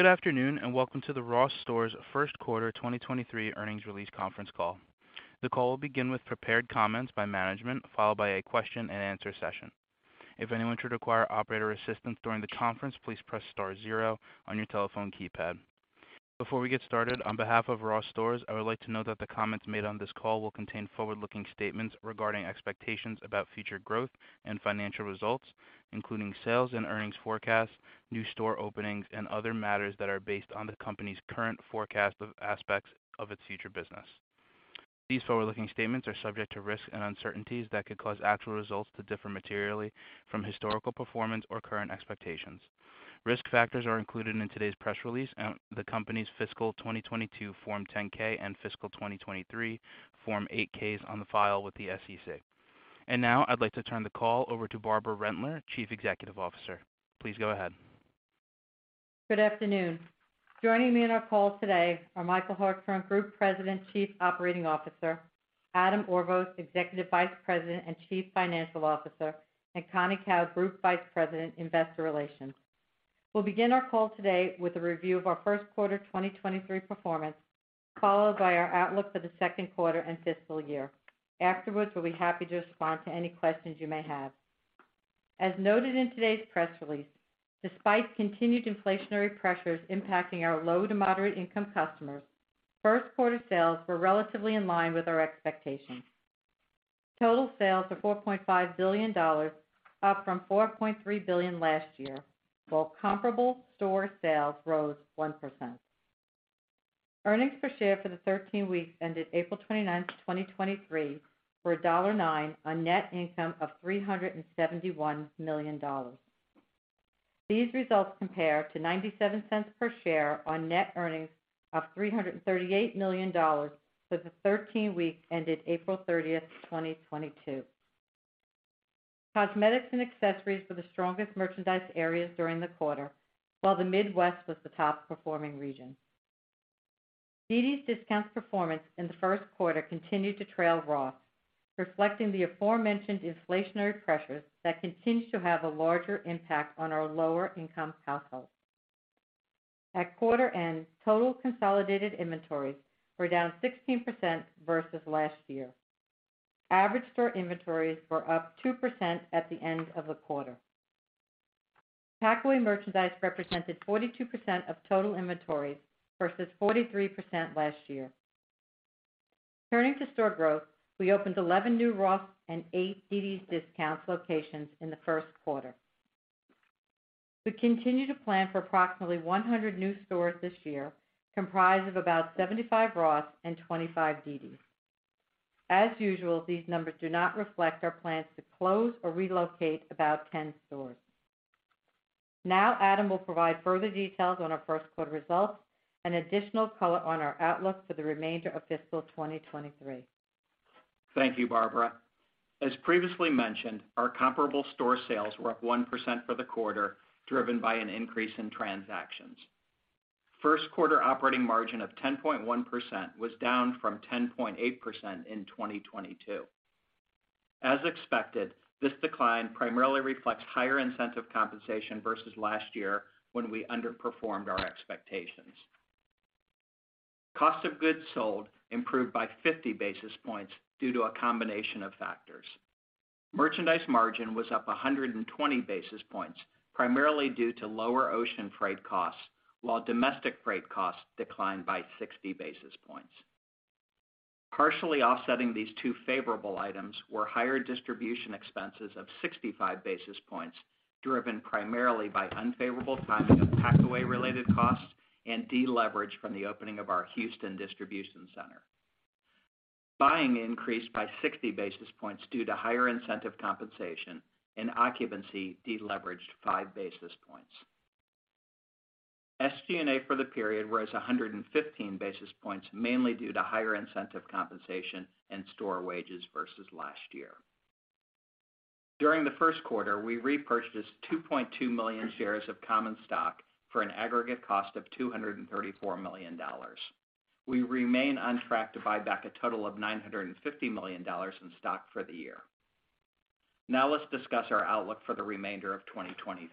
Good afternoon, welcome to the Ross Stores First Quarter 2023 Earnings Release Conference Call. The call will begin with prepared comments by management, followed by a question and answer session. If anyone should require operator assistance during the conference, please press star zero on your telephone keypad. Before we get started, on behalf of Ross Stores, I would like to note that the comments made on this call will contain forward-looking statements regarding expectations about future growth and financial results, including sales and earnings forecasts, new store openings, and other matters that are based on the company's current forecast of aspects of its future business. These forward-looking statements are subject to risks and uncertainties that could cause actual results to differ materially from historical performance or current expectations. Risk factors are included in today's press release and the company's fiscal 2022 Form 10-K and fiscal 2023 Form 8-Ks on the file with the SEC. Now I'd like to turn the call over to Barbara Rentler, Chief Executive Officer. Please go ahead. Good afternoon. Joining me on our call today are Michael Hartshorn, Group President, Chief Operating Officer; Adam Orvos, Executive Vice President and Chief Financial Officer; and Connie Kao, Group Vice President, Investor Relations. We'll begin our call today with a review of our first quarter 2023 performance, followed by our outlook for the second quarter and fiscal year. Afterwards, we'll be happy to respond to any questions you may have. As noted in today's press release, despite continued inflationary pressures impacting our low to moderate income customers, first quarter sales were relatively in line with our expectations. Total sales are $4.5 billion, up from $4.3 billion last year, while comparable store sales rose 1%. Earnings per share for the 13 weeks ended April 29, 2023 were $1.09 on net income of $371 million. These results compare to $0.97 per share on net earnings of $338 million for the 13 weeks ended April 30, 2022. Cosmetics and accessories were the strongest merchandise areas during the quarter, while the Midwest was the top performing region. dd's DISCOUNTS performance in the first quarter continued to trail Ross, reflecting the aforementioned inflationary pressures that continue to have a larger impact on our lower income households. At quarter end, total consolidated inventories were down 16% versus last year. Average store inventories were up 2% at the end of the quarter. Packaway merchandise represented 42% of total inventories versus 43% last year. Turning to store growth, we opened 11 new Ross and 8 dd's DISCOUNTS locations in the first quarter. We continue to plan for approximately 100 new stores this year, comprised of about 75 Ross and 25 dd's. As usual, these numbers do not reflect our plans to close or relocate about 10 stores. Now Adam will provide further details on our first quarter results and additional color on our outlook for the remainder of fiscal 2023. Thank you, Barbara. As previously mentioned, our comparable store sales were up 1% for the quarter, driven by an increase in transactions. First quarter operating margin of 10.1% was down from 10.8% in 2022. As expected, this decline primarily reflects higher incentive compensation versus last year, when we underperformed our expectations. Cost of goods sold improved by 50 basis points due to a combination of factors. merchandise margin was up 120 basis points, primarily due to lower ocean freight costs, while domestic freight costs declined by 60 basis points. Partially offsetting these two favorable items were higher distribution expenses of 65 basis points, driven primarily by unfavorable timing of packaway related costs and deleverage from the opening of our Houston distribution center. Buying increased by 60 basis points due to higher incentive compensation and occupancy deleveraged 5 basis points. SG&A for the period rose 115 basis points, mainly due to higher incentive compensation and store wages versus last year. During the first quarter, we repurchased 2.2 million shares of common stock for an aggregate cost of $234 million. We remain on track to buy back a total of $950 million in stock for the year. Now let's discuss our outlook for the remainder of 2023.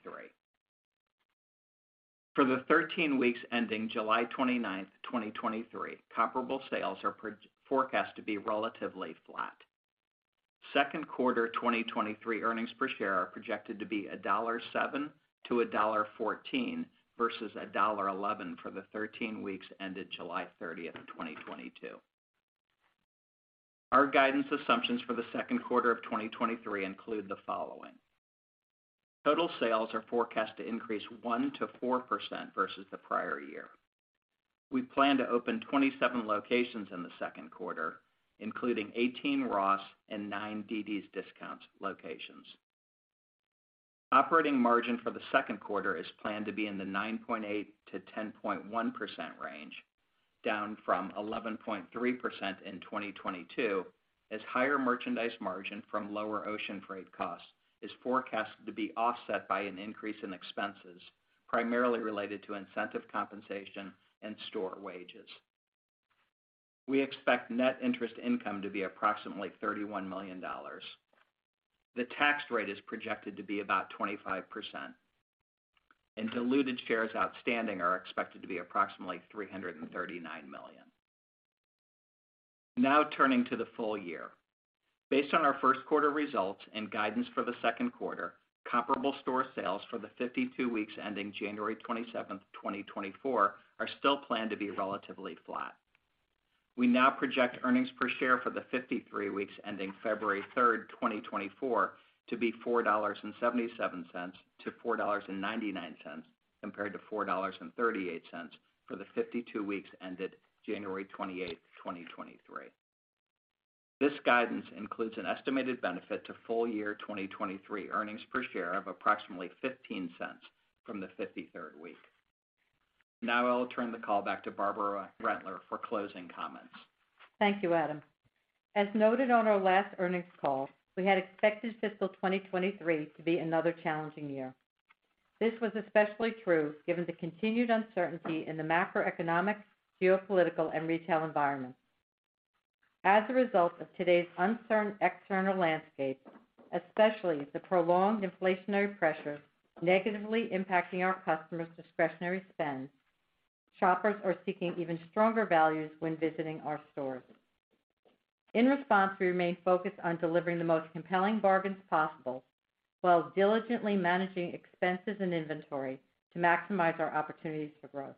For the 13 weeks ending July 29, 2023, comparable sales are forecast to be relatively flat. Second quarter 2023 earnings per share are projected to be $1.07 to $1.14 versus $1.11 for the 13 weeks ended July 30, 2022. Our guidance assumptions for the second quarter of 2023 include the following. Total sales are forecast to increase 1%-4% versus the prior year. We plan to open 27 locations in the second quarter, including 18 Ross and 9 dd's DISCOUNTS locations. Operating margin for the second quarter is planned to be in the 9.8%-10.1% range, down from 11.3% in 2022, as higher merchandise margin from lower ocean freight costs is forecasted to be offset by an increase in expenses primarily related to incentive compensation and store wages. We expect net interest income to be approximately $31 million. The tax rate is projected to be about 25%, and diluted shares outstanding are expected to be approximately 339 million. Turning to the full year. Based on our first quarter results and guidance for the second quarter, comparable store sales for the 52 weeks ending January 27, 2024, are still planned to be relatively flat. We now project earnings per share for the 53 weeks ending February 3rd, 2024, to be $4.77 to $4.99, compared to $4.38 for the 52 weeks ended January 28, 2023. This guidance includes an estimated benefit to full year 2023 earnings per share of approximately $0.15 from the 53rd week. Now I'll turn the call back to Barbara Rentler for closing comments. Thank you, Adam. As noted on our last earnings call, we had expected fiscal 2023 to be another challenging year. This was especially true given the continued uncertainty in the macroeconomic, geopolitical, and retail environment. As a result of today's uncertain external landscape, especially the prolonged inflationary pressures negatively impacting our customers' discretionary spend, shoppers are seeking even stronger values when visiting our stores. In response, we remain focused on delivering the most compelling bargains possible while diligently managing expenses and inventory to maximize our opportunities for growth.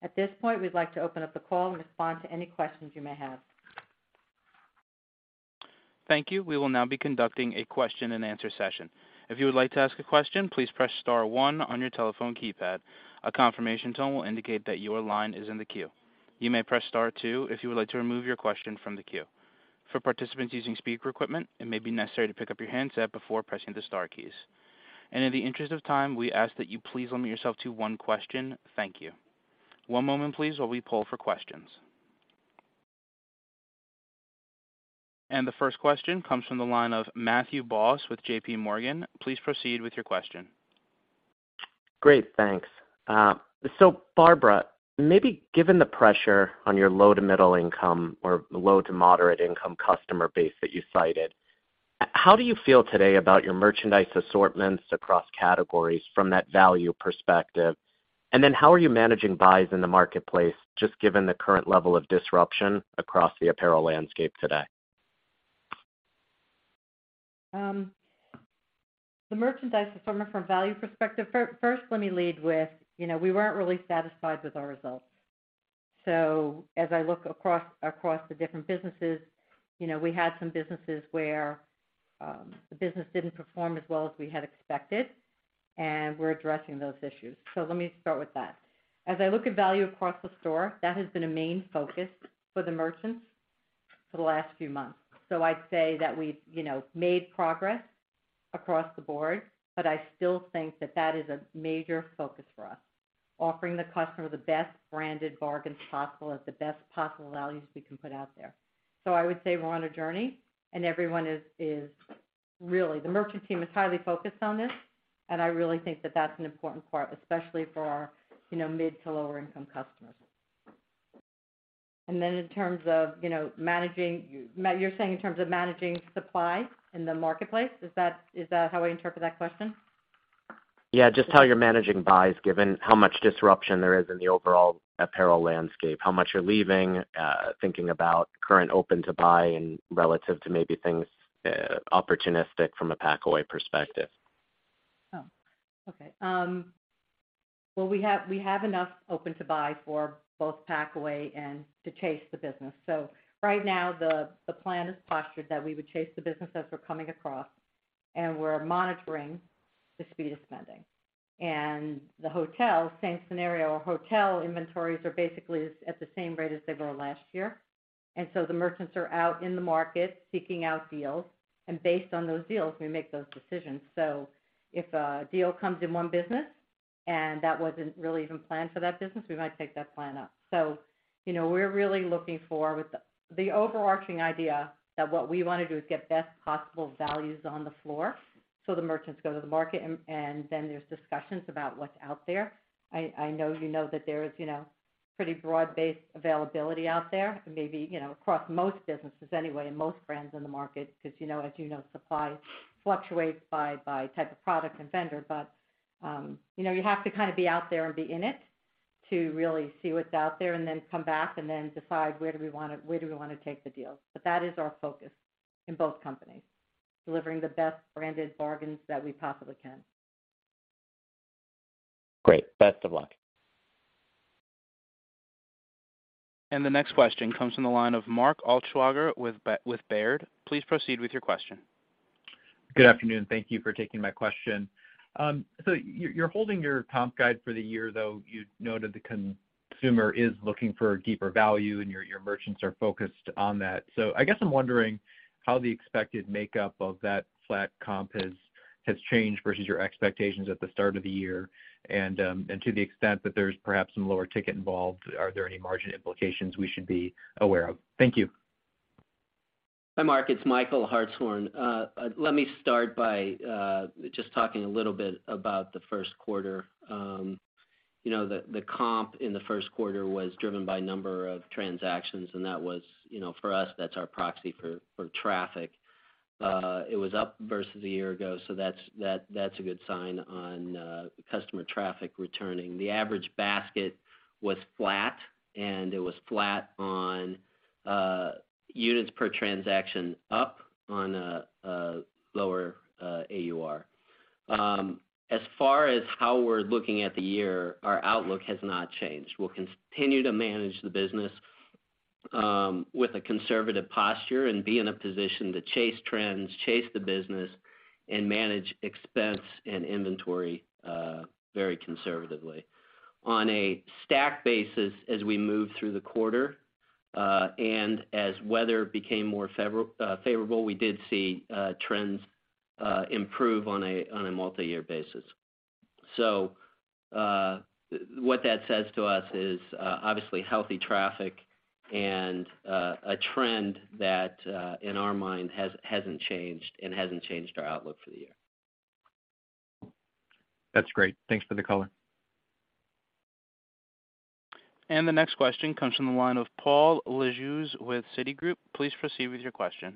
At this point, we'd like to open up the call and respond to any questions you may have. Thank you. We will now be conducting a question and answer session. If you would like to ask a question, please press star one on your telephone keypad. A confirmation tone will indicate that your line is in the queue. You may press star two if you would like to remove your question from the queue. For participants using speaker equipment, it may be necessary to pick up your handset before pressing the star keys. In the interest of time, we ask that you please limit yourself to one question. Thank you. One moment please, while we poll for questions. The first question comes from the line of Matthew Boss with JPMorgan. Please proceed with your question. Great, thanks. Barbara, maybe given the pressure on your low to middle income or low to moderate income customer base that you cited, how do you feel today about your merchandise assortments across categories from that value perspective? How are you managing buys in the marketplace, just given the current level of disruption across the apparel landscape today? The merchandise assortment from a value perspective. First, let me lead with, you know, we weren't really satisfied with our results. As I look across the different businesses, you know, we had some businesses where the business didn't perform as well as we had expected, and we're addressing those issues. Let me start with that. As I look at value across the store, that has been a main focus for the merchants for the last few months. I'd say that we've, you know, made progress across the board, but I still think that that is a major focus for us, offering the customer the best branded bargains possible at the best possible values we can put out there. I would say we're on a journey and everyone is really, the merchant team is highly focused on this, and I really think that that's an important part, especially for our, you know, mid to lower income customers. You're saying in terms of managing supply in the marketplace? Is that how I interpret that question? Yeah, just how you're managing buys, given how much disruption there is in the overall apparel landscape. How much you're leaving, thinking about current open to buy and relative to maybe things opportunistic from a pack away perspective? Okay. Well, we have enough open to buy for both pack away and to chase the business. Right now the plan is postured that we would chase the business as we're coming across, and we're monitoring the speed of spending. The hotel, same scenario. Hotel inventories are basically at the same rate as they were last year, and so the merchants are out in the market seeking out deals, and based on those deals, we make those decisions. If a deal comes in one business and that wasn't really even planned for that business, we might take that plan up. You know, we're really looking for with the overarching idea that what we wanna do is get best possible values on the floor. The merchants go to the market and then there's discussions about what's out there. I know you know that there is, you know, pretty broad-based availability out there, maybe, you know, across most businesses anyway and most brands in the market, because you know, as you know, supply fluctuates by type of product and vendor. You know, you have to kind of be out there and be in it to really see what's out there and then come back and then decide where do we wanna take the deals. That is our focus in both companies, delivering the best branded bargains that we possibly can. Great. Best of luck. The next question comes from the line of Mark Altschwager with Baird. Please proceed with your question. Good afternoon. Thank you for taking my question. you're holding your comp guide for the year, though you noted the consumer is looking for deeper value and your merchants are focused on that. I guess I'm wondering how the expected makeup of that flat comp has changed versus your expectations at the start of the year. To the extent that there's perhaps some lower ticket involved, are there any margin implications we should be aware of? Thank you. Hi, Mark. It's Michael Hartshorn. Let me start by just talking a little bit about the first quarter. You know, the comp in the first quarter was driven by a number of transactions. That was, you know, for us, that's our proxy for traffic. It was up versus a year ago, so that's a good sign on customer traffic returning. The average basket was flat. It was flat on units per transaction up on lower AUR. As far as how we're looking at the year, our outlook has not changed. We'll continue to manage the business with a conservative posture and be in a position to chase trends, chase the business, and manage expense and inventory very conservatively. On a stack basis, as we move through the quarter, and as weather became more favorable, we did see trends improve on a multi-year basis. What that says to us is obviously healthy traffic and a trend that in our mind hasn't changed and hasn't changed our outlook for the year. That's great. Thanks for the color. The next question comes from the line of Paul Lejuez with Citigroup. Please proceed with your question.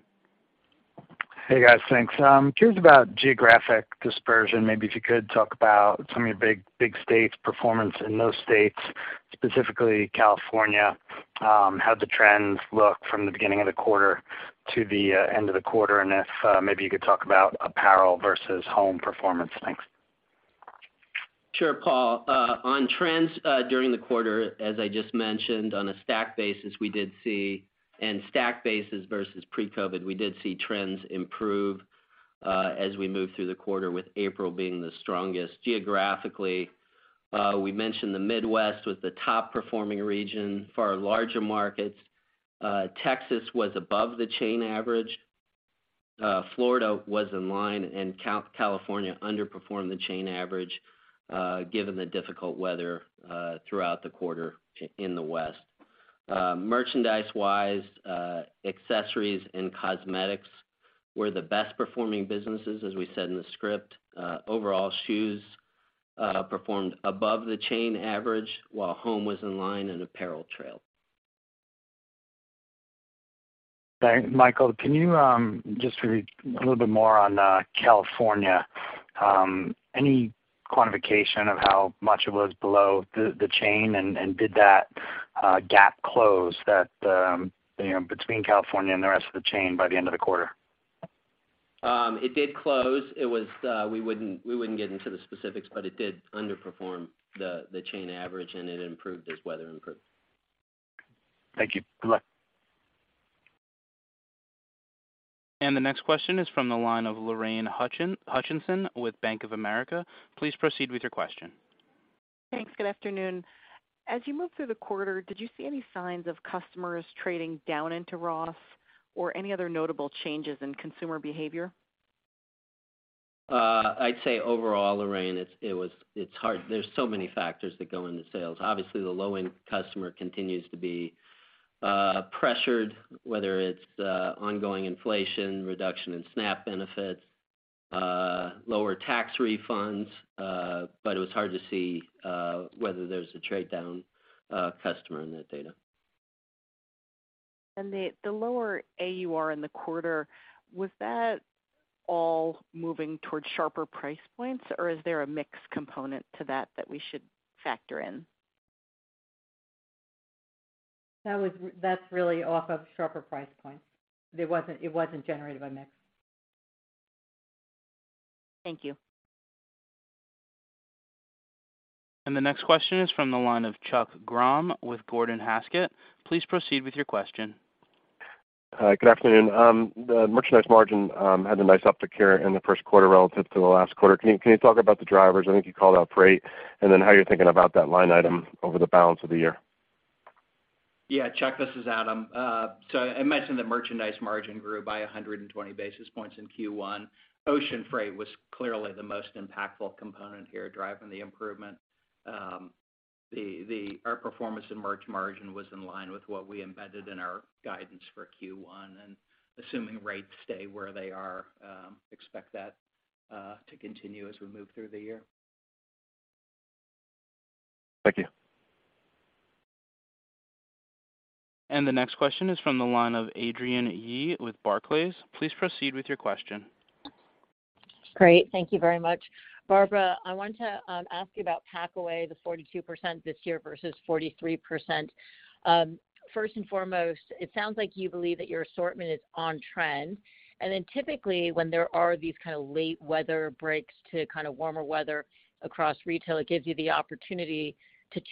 Hey, guys. Thanks. Curious about geographic dispersion. Maybe if you could talk about some of your big states' performance in those states, specifically California, how the trends look from the beginning of the quarter to the end of the quarter, and if maybe you could talk about apparel versus home performance. Thanks. Sure, Paul. On trends during the quarter, as I just mentioned, on a stack basis versus pre-COVID, we did see trends improve as we moved through the quarter with April being the strongest. Geographically, we mentioned the Midwest was the top performing region for our larger markets. Texas was above the chain average. Florida was in line, and California underperformed the chain average given the difficult weather throughout the quarter in the West. Merchandise-wise, accessories and cosmetics were the best performing businesses, as we said in the script. Overall, shoes performed above the chain average while home was in line and apparel trailed. Michael, can you, just a little bit more on, California, any quantification of how much it was below the chain? Did that, gap close that, you know, between California and the rest of the chain by the end of the quarter? It did close. It was, we wouldn't get into the specifics, but it did underperform the chain average, and it improved as weather improved. Thank you. Good luck. The next question is from the line of Lorraine Hutchinson with Bank of America. Please proceed with your question. Thanks. Good afternoon. As you moved through the quarter, did you see any signs of customers trading down into Ross or any other notable changes in consumer behavior? I'd say overall, Lorraine, it's hard. There's so many factors that go into sales. Obviously, the low-end customer continues to be pressured, whether it's ongoing inflation, reduction in SNAP benefits, lower tax refunds. It was hard to see whether there's a trade-down customer in that data. The lower AUR in the quarter, was that all moving towards sharper price points, or is there a mix component to that that we should factor in? That's really off of sharper price points. It wasn't generated by mix. Thank you. The next question is from the line of Chuck Grom with Gordon Haskett. Please proceed with your question. Hi. Good afternoon. The merchandise margin had a nice uptick here in the first quarter relative to the last quarter. Can you talk about the drivers, I think you called out freight, then how you're thinking about that line item over the balance of the year? Yeah. Chuck, this is Adam. I mentioned the merchandise margin grew by 120 basis points in Q1. Ocean freight was clearly the most impactful component here driving the improvement. Our performance in merch margin was in line with what we embedded in our guidance for Q1, assuming rates stay where they are, expect that to continue as we move through the year. Thank you. The next question is from the line of Adrienne Yih with Barclays. Please proceed with your question. Great. Thank you very much. Barbara, I wanted to ask you about packaway, the 42% this year versus 43%. First and foremost, it sounds like you believe that your assortment is on trend. Typically, when there are these kind of late weather breaks to kind of warmer weather across retail, it gives you the opportunity to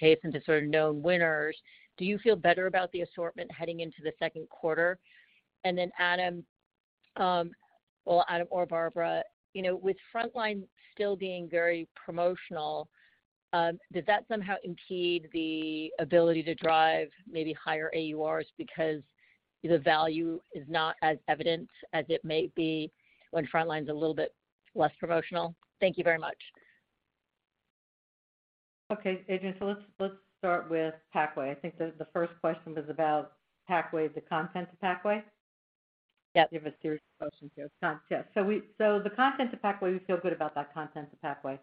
chase into sort of known winners. Do you feel better about the assortment heading into the second quarter? Adam, well, Adam or Barbara, you know, with frontline still being very promotional, does that somehow impede the ability to drive maybe higher AURs because the value is not as evident as it may be when frontline's a little bit less promotional? Thank you very much. Adrienne, let's start with packaway. I think the first question was about packaway, the content of packaway? Yeah. We have a series of questions here. Content. The content of packaway, we feel good about that content of packaway.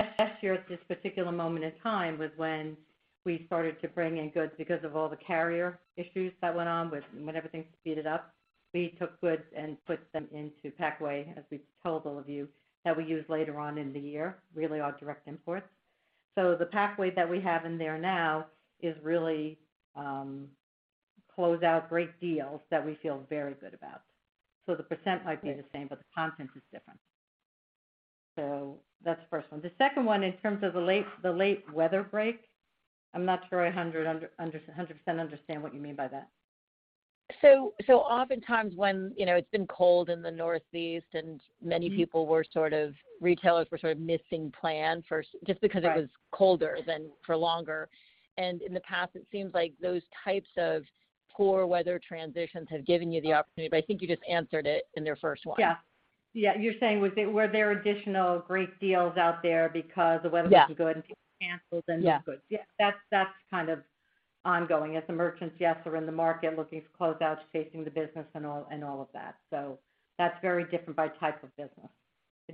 Last year at this particular moment in time was when we started to bring in goods because of all the carrier issues that went on with, when everything speeded up. We took goods and put them into packaway, as we've told all of you, that we use later on in the year, really our direct imports. The packaway that we have in there now is really closeout great deals that we feel very good about. The percent might be the same, but the content is different. That's the first one. The second one, in terms of the late weather break, I'm not sure I 100% understand what you mean by that. Oftentimes when, you know, it's been cold in the Northeast and many people were sort of. Retailers were sort of missing plan for just because it was colder than for longer. In the past, it seems like those types of poor weather transitions have given you the opportunity. I think you just answered it in their first one. Yeah. You're saying, were there additional great deals out there because the weather wasn't good and people canceled? Yeah. That's kind of ongoing as the merchants, yes, are in the market looking for closeouts, chasing the business and all of that. That's very different by type of business.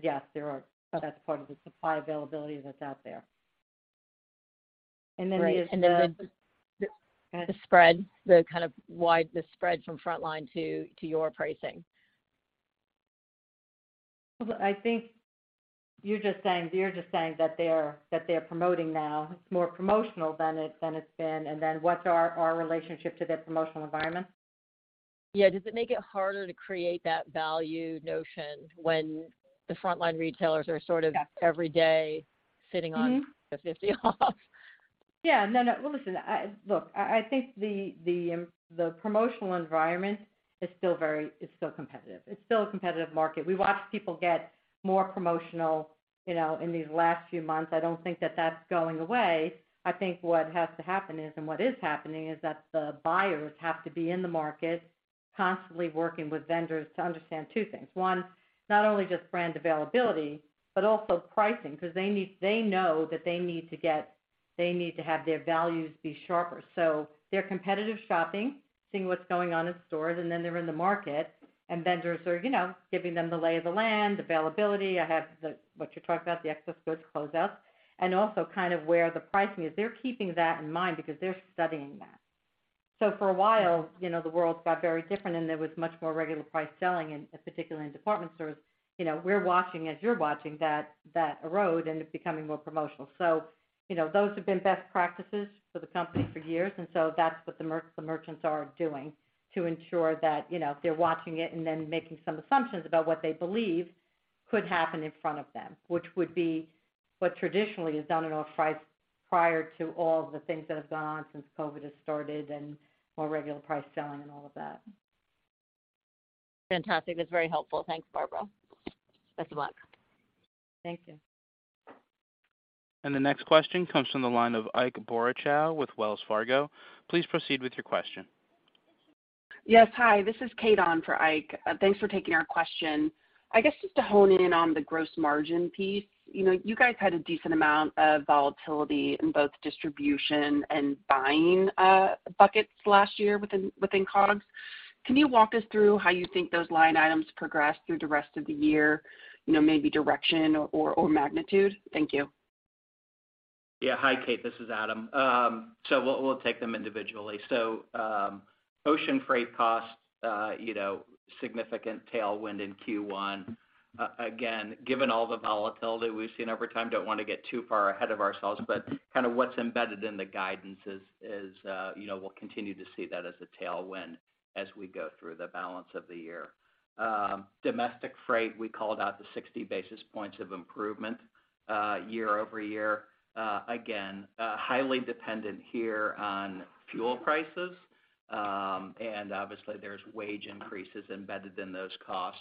Yes, there are. That's part of the supply availability that's out there. The spread from frontline to your pricing. I think you're just saying that they're promoting now. It's more promotional than it's been, and then what's our relationship to their promotional environment? Yeah. Does it make it harder to create that value notion when the frontline retailers are sort of every day sitting on 50% off? Yeah. No. Well, listen. I look, I think the promotional environment is still competitive. It's still a competitive market. We watched people get more promotional, you know, in these last few months. I don't think that that's going away. I think what has to happen is, and what is happening, is that the buyers have to be in the market constantly working with vendors to understand two things: One, not only just brand availability, but also pricing because they know that they need to have their values be sharper. They're competitive shopping, seeing what's going on in stores, and then they're in the market, and vendors are, you know, giving them the lay of the land, availability. I have the, what you're talking about, the excess goods closeout, and also kind of where the pricing is. They're keeping that in mind because they're studying that. For a while, you know, the world got very different, and there was much more regular price selling in, particularly in department stores. You know, we're watching as you're watching that erode and it becoming more promotional. You know, those have been best practices for the company for years. That's what the merchants are doing to ensure that, you know, they're watching it and then making some assumptions about what they believe could happen in front of them, which would be what traditionally is done at off price prior to all the things that have gone on since COVID has started and more regular price selling and all of that. Fantastic. That's very helpful. Thanks, Barbara. Best of luck. Thank you. The next question comes from the line of Ike Boruchow with Wells Fargo. Please proceed with your question. Yes. Hi, this is Kate on for Ike. Thanks for taking our question. I guess, just to hone in on the gross margin piece. You know, you guys had a decent amount of volatility in both distribution and buying buckets last year within COGS. Can you walk us through how you think those line items progress through the rest of the year? You know, maybe direction or magnitude? Thank you. Yeah. Hi, Kate. This is Adam. We'll take them individually. Ocean freight costs, you know, significant tailwind in Q1. Again, given all the volatility we've seen over time, don't wanna get too far ahead of ourselves. Kind of what's embedded in the guidance is, you know, we'll continue to see that as a tailwind as we go through the balance of the year. Domestic freight, we called out the 60 basis points of improvement year-over-year. Again, highly dependent here on fuel prices. Obviously there's wage increases embedded in those costs.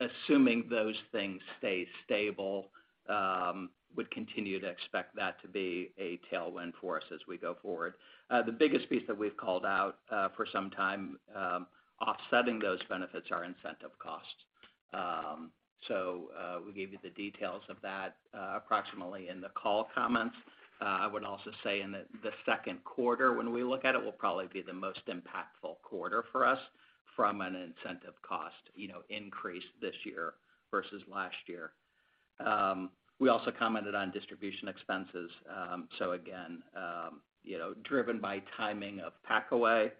Assuming those things stay stable, would continue to expect that to be a tailwind for us as we go forward. The biggest piece that we've called out for some time, offsetting those benefits are incentive costs. We gave you the details of that approximately in the call comments. I would also say in the second quarter when we look at it, will probably be the most impactful quarter for us from an incentive cost, you know, increase this year versus last year. We also commented on distribution expenses. Again, you know, driven by timing of packaway,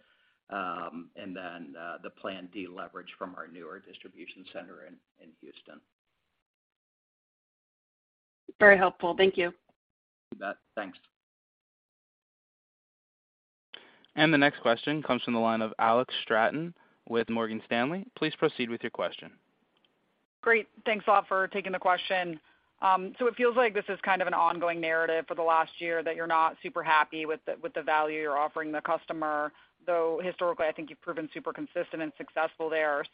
and then the planned deleverage from our newer distribution center in Houston. Very helpful. Thank you. You bet. Thanks. The next question comes from the line of Alex Straton with Morgan Stanley. Please proceed with your question. Great. Thanks a lot for taking the question. It feels like this is kind of an ongoing narrative for the last year that you're not super happy with the value you're offering the customer, though historically, I think you've proven super consistent and successful there.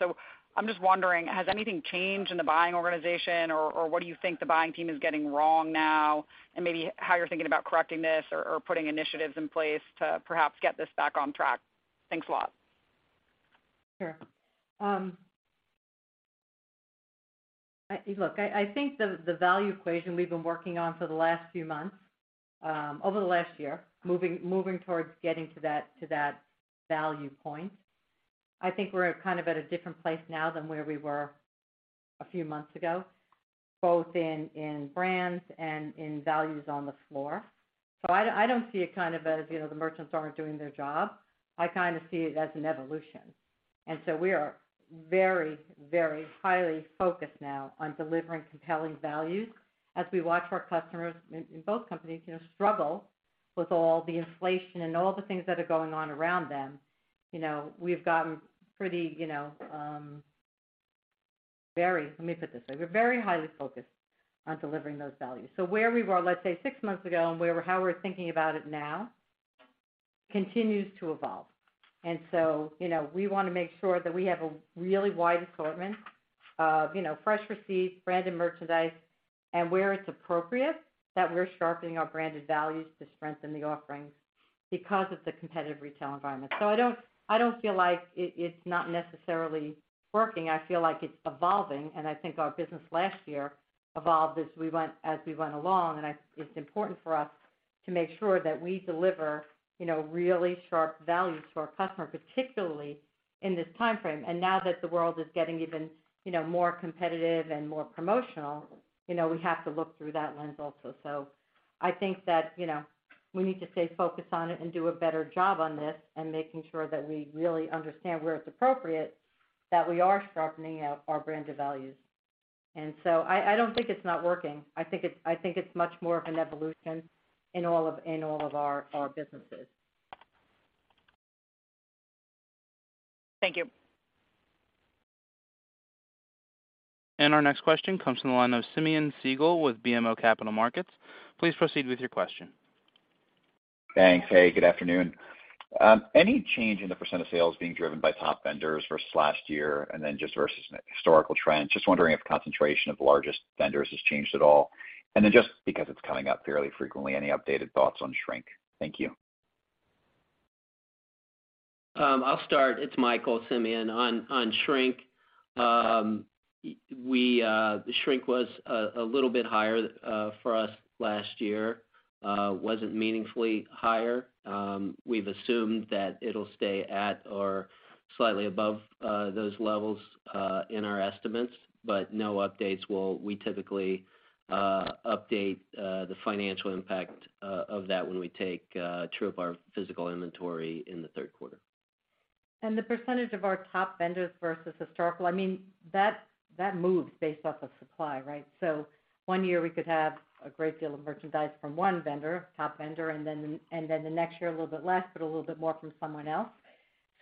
I'm just wondering, has anything changed in the buying organization or what do you think the buying team is getting wrong now, and maybe how you're thinking about correcting this or putting initiatives in place to perhaps get this back on track? Thanks a lot. Sure. Look, I think the value equation we've been working on for the last few months, over the last year, moving towards getting to that value point. I think we're kind of at a different place now than where we were a few months ago, both in brands and in values on the floor. I don't see it kind of as, you know, the merchants aren't doing their job. I kind of see it as an evolution. We are very highly focused now on delivering compelling values as we watch our customers in both companies, you know, struggle with all the inflation and all the things that are going on around them. You know, we've gotten pretty, you know, Let me put it this way. We're very highly focused on delivering those values. Where we were, let's say, six months ago and where how we're thinking about it now continues to evolve. You know, we wanna make sure that we have a really wide assortment of, you know, fresh receipts, branded merchandise, and where it's appropriate, that we're sharpening our branded values to strengthen the offerings because of the competitive retail environment. I don't feel like it's not necessarily working. I feel like it's evolving, and I think our business last year evolved as we went along. It's important for us to make sure that we deliver, you know, really sharp values to our customer, particularly in this timeframe. Now that the world is getting even, you know, more competitive and more promotional, you know, we have to look through that lens also. I think that, you know, we need to stay focused on it and do a better job on this and making sure that we really understand where it's appropriate, that we are sharpening out our branded values. I don't think it's not working. I think it's much more of an evolution in all of our businesses. Thank you. Our next question comes from the line of Simeon Siegel with BMO Capital Markets. Please proceed with your question. Thanks. Hey, good afternoon. Any change in the percent of sales being driven by top vendors versus last year and then just versus historical trends? Just wondering if concentration of largest vendors has changed at all. Just because it's coming up fairly frequently, any updated thoughts on shrink? Thank you. I'll start. It's Michael, Simeon. On shrink, the shrink was a little bit higher for us last year. Wasn't meaningfully higher. We've assumed that it'll stay at or slightly above those levels in our estimates. No updates. We typically update the financial impact of that when we take true of our physical inventory in the third quarter. The percentage of our top vendors versus historical, I mean, that moves based off of supply, right? One year we could have a great deal of merchandise from one vendor, top vendor, and then the next year a little bit less, but a little bit more from someone else.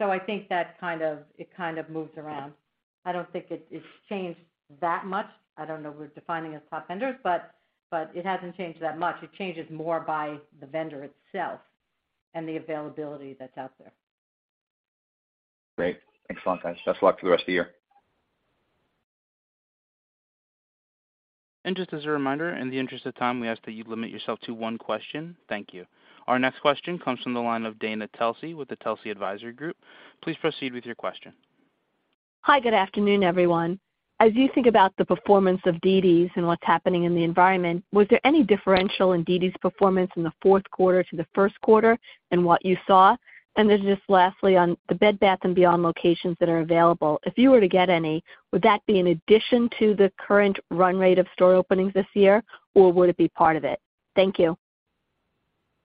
I think that kind of, it kind of moves around. I don't think it's changed that much. I don't know who we're defining as top vendors, but it hasn't changed that much. It changes more by the vendor itself and the availability that's out there. Great. Thanks a lot, guys. Best of luck for the rest of the year. Just as a reminder, in the interest of time, we ask that you limit yourself to one question. Thank you. Our next question comes from the line of Dana Telsey with the Telsey Advisory Group. Please proceed with your question. Hi, good afternoon, everyone. As you think about the performance of dd's and what's happening in the environment, was there any differential in dd's performance in the fourth quarter to the first quarter in what you saw? Just lastly, on the Bed Bath & Beyond locations that are available, if you were to get any, would that be in addition to the current run rate of store openings this year, or would it be part of it? Thank you.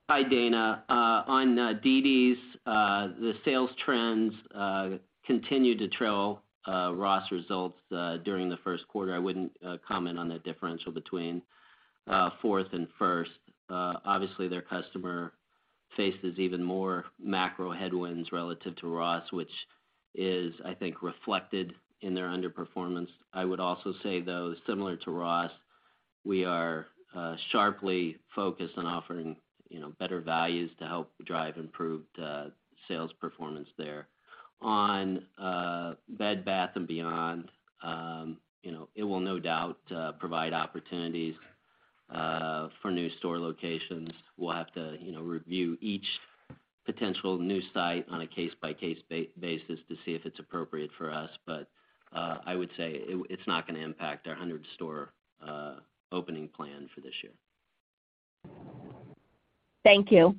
Hi, Dana. On dd's, the sales trends continued to trail Ross results during the first quarter. I wouldn't comment on the differential between fourth and first. Obviously, their customer faces even more macro headwinds relative to Ross, which is, I think, reflected in their underperformance. I would also say, though, similar to Ross, we are sharply focused on offering, you know, better values to help drive improved sales performance there. On Bed Bath & Beyond, you know, it will no doubt provide opportunities for new store locations. We'll have to, you know, review each potential new site on a case-by-case basis to see if it's appropriate for us. I would say it's not gonna impact our 100 store opening plan for this year. Thank you.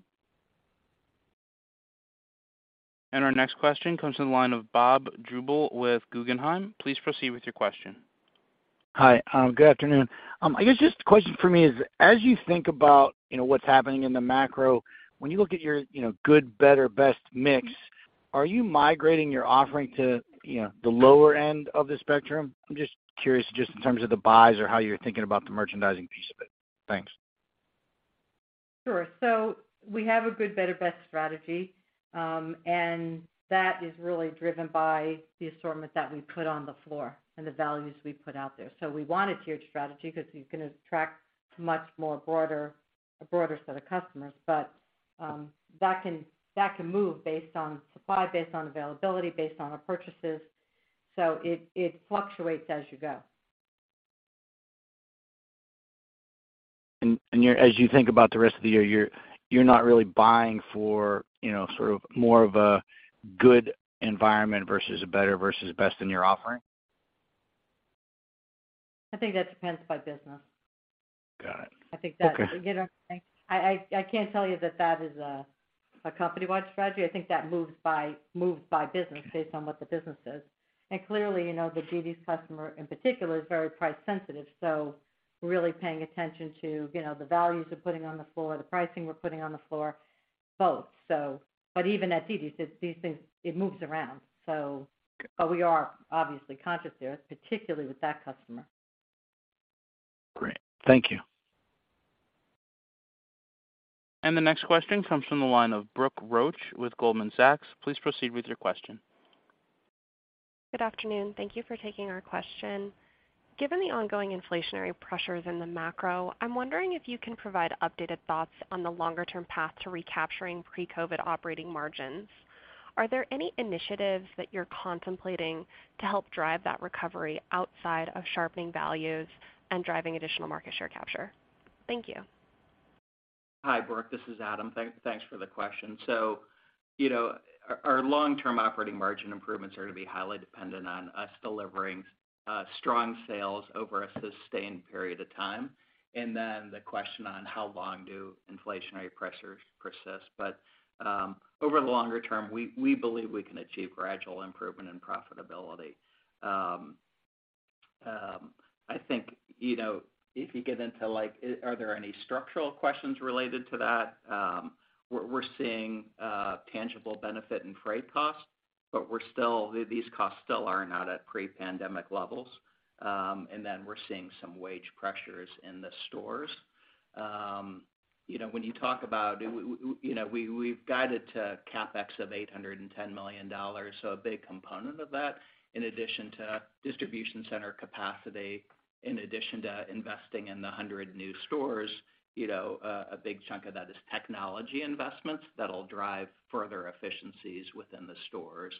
Our next question comes from the line of Bob Drbul with Guggenheim. Please proceed with your question. Hi. Good afternoon. I guess just a question for me is, as you think about, you know, what's happening in the macro, when you look at your, you know, good, better, best mix, are you migrating your offering to, you know, the lower end of the spectrum? I'm just curious just in terms of the buys or how you're thinking about the merchandising piece of it. Thanks. Sure. We have a good, better, best strategy, and that is really driven by the assortment that we put on the floor and the values we put out there. We want a tiered strategy because you can attract a broader set of customers. That can move based on supply, based on availability, based on our purchases. It fluctuates as you go. As you think about the rest of the year, you're not really buying for, you know, sort of more of a good environment versus a better versus best in your offering? I think that depends by business. Got it. I think. Okay. You know, I can't tell you that that is a company-wide strategy. I think that moves by business based on what the business is. Clearly, you know, the dd's customer in particular is very price sensitive, so really paying attention to, you know, the values we're putting on the floor, the pricing we're putting on the floor, both. But even at dd's, these things, it moves around. So we are obviously conscious there, particularly with that customer. Great. Thank you. The next question comes from the line of Brooke Roach with Goldman Sachs. Please proceed with your question. Good afternoon. Thank you for taking our question. Given the ongoing inflationary pressures in the macro, I'm wondering if you can provide updated thoughts on the longer term path to recapturing pre-COVID operating margins. Are there any initiatives that you're contemplating to help drive that recovery outside of sharpening values and driving additional market share capture? Thank you. Hi, Brooke. This is Adam. Thanks for the question. You know, our long-term operating margin improvements are going to be highly dependent on us delivering strong sales over a sustained period of time. Then the question on how long do inflationary pressures persist. Over the longer term, we believe we can achieve gradual improvement in profitability. I think, you know, if you get into, like, are there any structural questions related to that? We're seeing tangible benefit in freight costs, these costs still are not at pre-pandemic levels. We're seeing some wage pressures in the stores. You know, when you talk about, you know, we've guided to CapEx of $810 million. A big component of that, in addition to distribution center capacity, in addition to investing in the 100 new stores, you know, a big chunk of that is technology investments that'll drive further efficiencies within the stores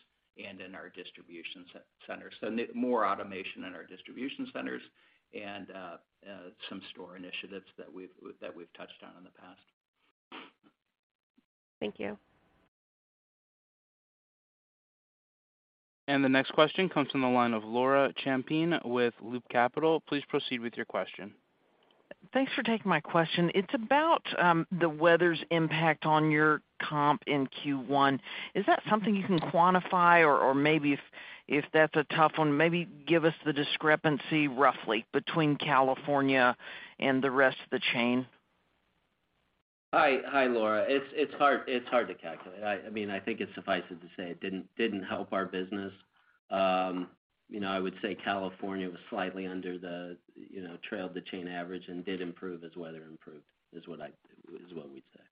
and in our distribution centers. More automation in our distribution centers and some store initiatives that we've touched on in the past. Thank you. The next question comes from the line of Laura Champine with Loop Capital. Please proceed with your question. Thanks for taking my question. It's about the weather's impact on your comp in Q1. Is that something you can quantify or maybe if that's a tough one, maybe give us the discrepancy roughly between California and the rest of the chain? Hi, Laura. It's hard to calculate. I mean, I think it's suffice it to say it didn't help our business. you know, I would say California was slightly under the, you know, trailed the chain average and did improve as weather improved, is what we'd say.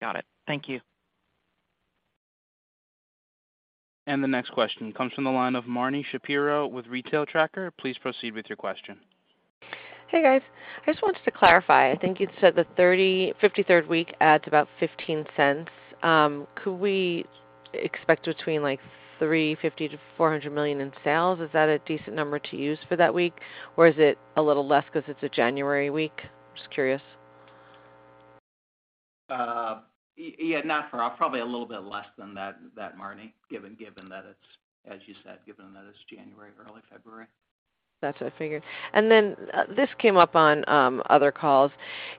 Got it. Thank you. The next question comes from the line of Marni Shapiro with Retail Tracker. Please proceed with your question. Hey, guys. I just wanted to clarify. I think you'd said the 53rd week adds about $0.15. Could we expect between, like, $350 million-$400 million in sales? Is that a decent number to use for that week, or is it a little less 'cause it's a January week? Just curious. Yeah, not far. Probably a little bit less than that, Marni, given that it's, as you said, given that it's January, early February. That's what I figured. This came up on other calls.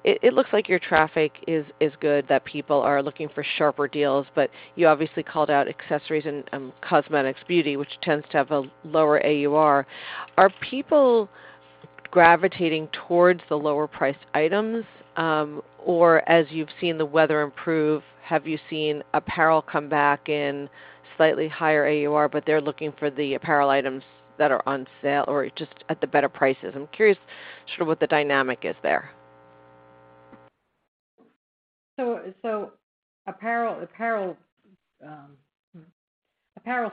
It looks like your traffic is good, that people are looking for sharper deals, but you obviously called out accessories and cosmetics, beauty, which tends to have a lower AUR. Are people gravitating towards the lower priced items? Or as you've seen the weather improve, have you seen apparel come back in slightly higher AUR, but they're looking for the apparel items that are on sale or just at the better prices? I'm curious sort of what the dynamic is there. Apparel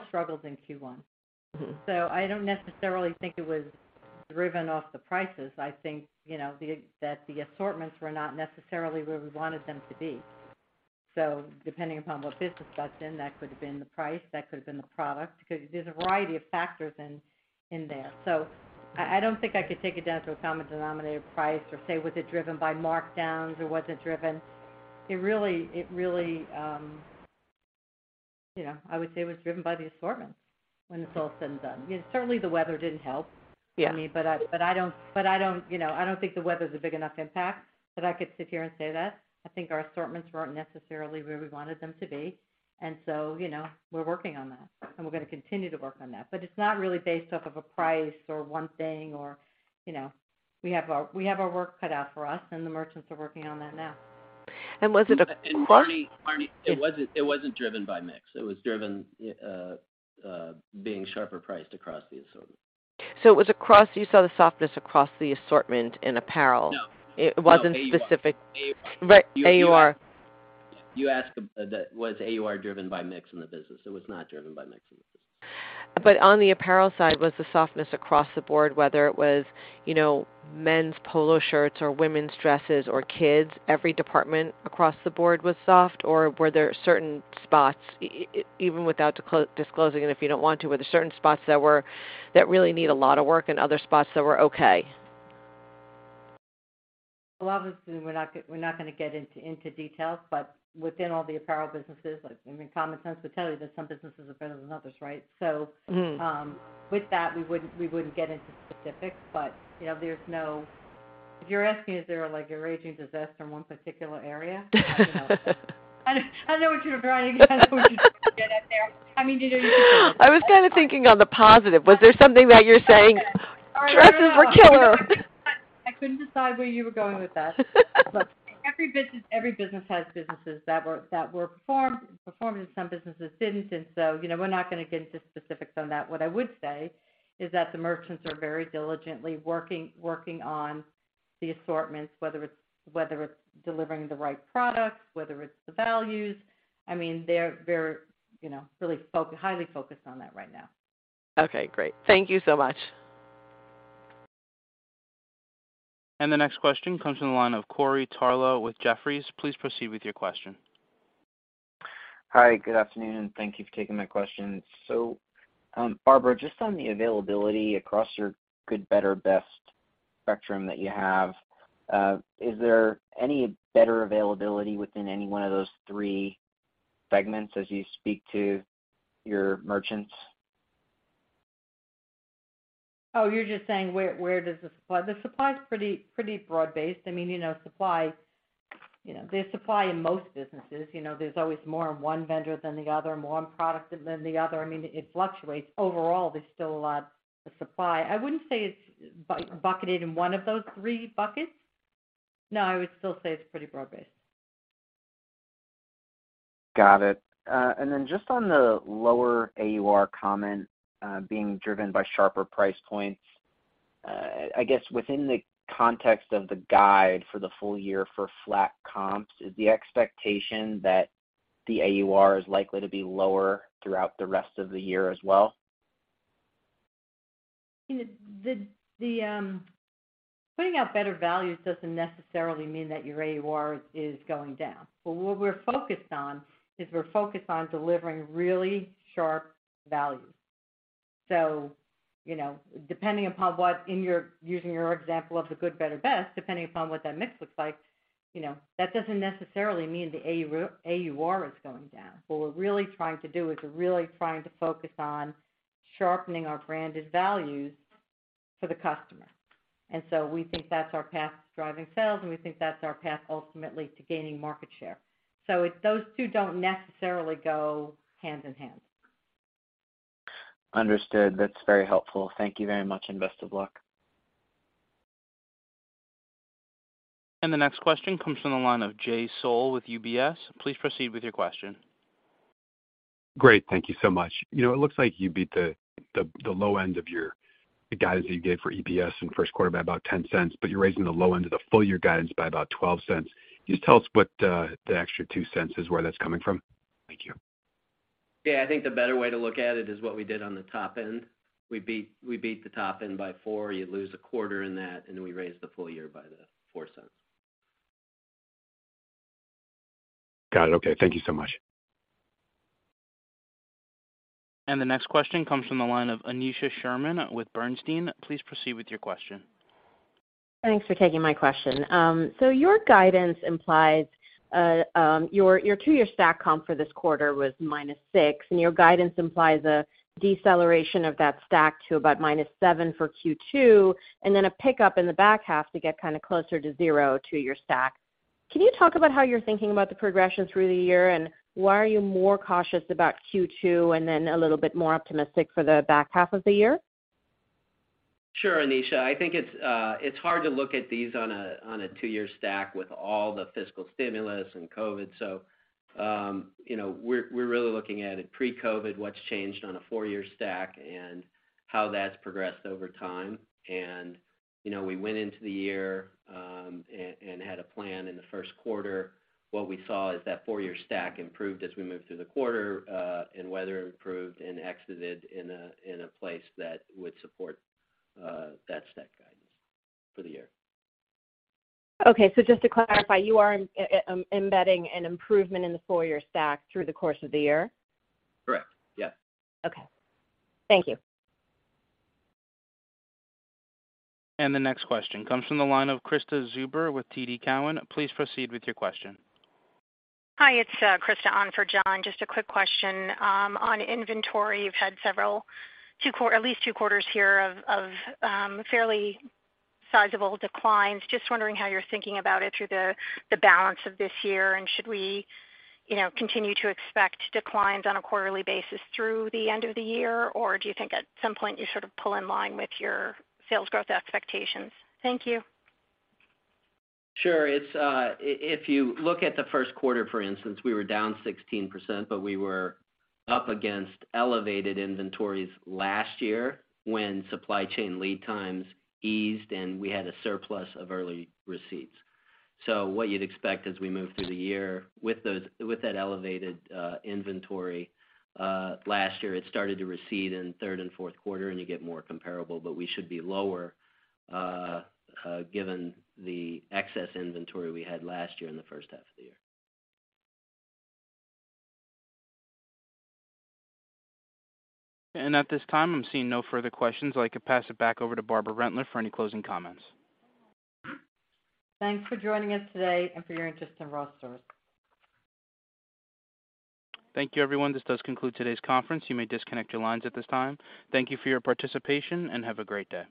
struggles in Q1.Mm-hmm.I don't necessarily think it was driven off the prices. I think, you know, that the assortments were not necessarily where we wanted them to be. Depending upon what business you're in, that could have been the price, that could have been the product, because there's a variety of factors in there. I don't think I could take it down to a common denominator of price or say, was it driven by markdowns. It really, you know, I would say it was driven by the assortments when it's all said and done. Certainly, the weather didn't help. Yeah. For me, I don't, you know, I don't think the weather's a big enough impact that I could sit here and say that. I think our assortments weren't necessarily where we wanted them to be. You know, we're working on that, and we're gonna continue to work on that. It's not really based off of a price or one thing or, you know. We have our work cut out for us and the merchants are working on that now. was it? Marni, it wasn't driven by mix. It was driven being sharper priced across the assortment. It was you saw the softness across the assortment in apparel? No. It wasn't specific- AUR. Right, AUR. You asked, was AUR driven by mix in the business. It was not driven by mix in the business. On the apparel side, was the softness across the board, whether it was, you know, men's polo shirts or women's dresses or kids, every department across the board was soft? Were there certain spots, even without disclosing it, if you don't want to, were there certain spots that really need a lot of work and other spots that were okay? Well, obviously, we're not gonna get into details, but within all the apparel businesses, like, I mean, common sense would tell you that some businesses are better than others, right? With that, we wouldn't get into specifics, but, you know, there's no. If you're asking is there, like, a raging disaster in one particular area? I know what you were trying to get out there. I mean, you know. I was kind of thinking on the positive. Was there something that you're saying, "Dresses were killer"? I couldn't decide where you were going with that. Every business has businesses that were performed, performing, some businesses didn't. You know, we're not gonna get into specifics on that. What I would say is that the merchants are very diligently working on the assortments, whether it's delivering the right products, whether it's the values. I mean, they're, you know, really highly focused on that right now. Okay, great. Thank you so much. The next question comes from the line of Corey Tarlowe with Jefferies. Please proceed with your question. Hi. Good afternoon. Thank you for taking my question. Barbara, just on the availability across your good, better, best spectrum that you have, is there any better availability within any one of those three segments as you speak to your merchants? You're just saying where does the supply. The supply is pretty broad-based. I mean, you know, supply, you know, there's supply in most businesses. You know, there's always more in one vendor than the other, more on product than the other. I mean, it fluctuates. There's still a lot of supply. I wouldn't say it's bucketed in one of those three buckets. I would still say it's pretty broad-based. Got it. Just on the lower AUR comment, being driven by sharper price points, I guess within the context of the guide for the full year for flat comps, is the expectation that the AUR is likely to be lower throughout the rest of the year as well? The putting out better values doesn't necessarily mean that your AUR is going down. What we're focused on is we're focused on delivering really sharp value. You know, depending upon using your example of the good, better, best, depending upon what that mix looks like, you know, that doesn't necessarily mean the AUR is going down. What we're really trying to do is we're really trying to focus on sharpening our branded values for the customer. We think that's our path to driving sales, and we think that's our path ultimately to gaining market share. Those two don't necessarily go hand-in-hand. Understood. That's very helpful. Thank you very much, and best of luck. The next question comes from the line of Jay Sole with UBS. Please proceed with your question. Great. Thank you so much. You know, it looks like you beat the low end of your guidance you gave for EPS in first quarter by about $0.10, but you're raising the low end of the full year guidance by about $0.12. Can you just tell us what the extra $0.02 is, where that's coming from? Thank you. I think the better way to look at it is what we did on the top end. We beat the top end by 4 cents. You lose a quarter in that, then we raise the full year by the 4 cents. Got it. Okay. Thank you so much. The next question comes from the line of Aneesha Sherman with Bernstein. Please proceed with your question. Thanks for taking my question. Your guidance implies your two-year stack comp for this quarter was -6%. Your guidance implies a deceleration of that stack to about -7% for Q2 and then a pickup in the back half to get kind of closer to 0% to your stack. Can you talk about how you're thinking about the progression through the year, why are you more cautious about Q2 and then a little bit more optimistic for the back half of the year? Sure, Aneesha. I think it's hard to look at these on a two-year stack with all the fiscal stimulus and COVID. We're really looking at it pre-COVID, what's changed on a four-year stack and how that's progressed over time. We went into the year, and had a plan in the first quarter. What we saw is that four-year stack improved as we moved through the quarter, and weather improved and exited in a place that would support that stack guidance for the year. Just to clarify, you are embedding an improvement in the four-year stack through the course of the year? Correct. Yes. Okay. Thank you. The next question comes from the line of Krista Zuber with TD Cowen. Please proceed with your question. Hi, it's Krista on for John. Just a quick question. On inventory, you've had several at least two quarters here of fairly sizable declines. Just wondering how you're thinking about it through the balance of this year. Should we, you know, continue to expect declines on a quarterly basis through the end of the year, or do you think at some point you sort of pull in line with your sales growth expectations? Thank you. Sure. If you look at the first quarter, for instance, we were down 16%, but we were up against elevated inventories last year when supply chain lead times eased, and we had a surplus of early receipts. What you'd expect as we move through the year with that elevated, inventory, last year, it started to recede in third and fourth quarter, and you get more comparable. We should be lower, given the excess inventory we had last year in the first half of the year. At this time, I'm seeing no further questions. I can pass it back over to Barbara Rentler for any closing comments. Thanks for joining us today for your interest in Ross Stores. Thank you, everyone. This does conclude today's conference. You may disconnect your lines at this time. Thank you for your participation, and have a great day.